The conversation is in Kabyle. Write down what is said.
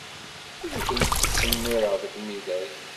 Ur tent-ttsemmireɣ deg umidag.